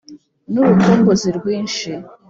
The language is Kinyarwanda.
n'urukumbuzi rwinshi".